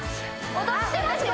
踊ってますよ